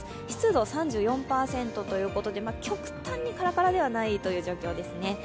湿度３４％ということで極端にカラカラではないという状況ですね。